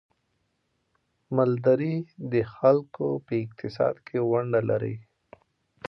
مالداري د خلکو په اقتصاد کې ونډه لري.